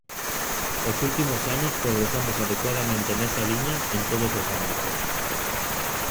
Os últimos anos progresamos adecuadamente nesa liña en todos os ámbitos.